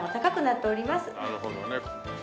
なるほどね。